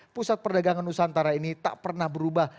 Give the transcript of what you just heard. pusat perdagangan nusantara ini tak pernah berubah